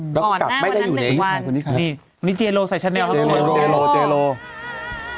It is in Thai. กลับมาไม่ได้อยู่ในอีก๑๐วัน